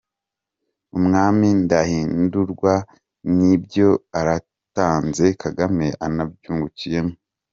Umwami Ndahindurwa ni byo aratanze, Kagame anabyungukiyemo.